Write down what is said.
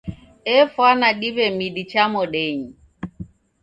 Efwana diw'e midi cha modenyi